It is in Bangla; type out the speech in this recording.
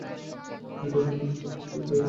এই ধরনের বিতর্কের একটি দীর্ঘ ইতিহাস আছে।